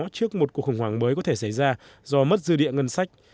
trước một cuộc khủng hoảng mới có thể xảy ra do mất dư địa ngân sách